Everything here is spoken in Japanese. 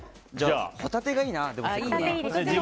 ホタテがいいな。